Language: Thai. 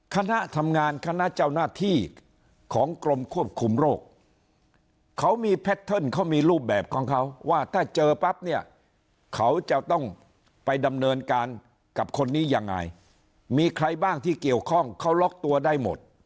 คณะทำงานคณะเจ้าหน้าที่ของกรมควบคุมโรคเขามีแพทเทิร์นเขามีรูปแบบของเขาว่าถ้าเจอปั๊บเนี่ยเขาจะต้องไปดำเนินการกับคนนี้ยังไงมีใครบ้างที่เกี่ยวข้องเขาล็อกตัวได้หมด